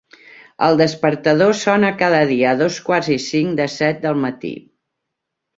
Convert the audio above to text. El despertador sona cada dia a dos quarts i cinc de set del matí.